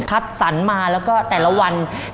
พักสันมาแล้วก็แต่ละวันจะเปลี่ยนไป